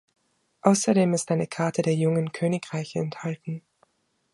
Außerdem ist eine Karte der Jungen Königreiche enthalten.